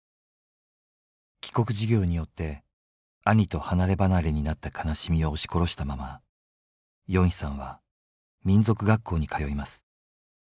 帰国事業によって兄と離れ離れになった悲しみを押し殺したままヨンヒさんは民族学校に通います。